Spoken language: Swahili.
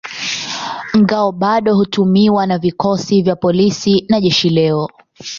Ngao bado hutumiwa na vikosi vya polisi na jeshi leo.